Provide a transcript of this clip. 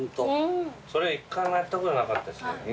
それ１回もやったことなかったし。